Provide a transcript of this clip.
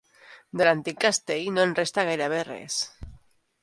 De l'antic castell no en resta gairebé res.